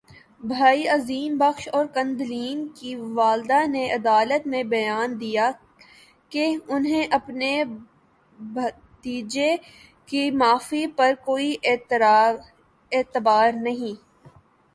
بھائی عظیم بخش اور قندیل کی والدہ نے عدالت میں بیان دیا کہ انہیں اپنے بھتیجے کی معافی پر کوئی اعتبار نہیں